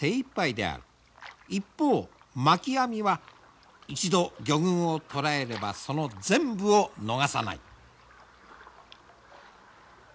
一方まき網は一度魚群を捉えればその全部を逃さない。